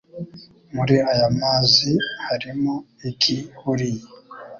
Muri aya mazi harimo iki buriya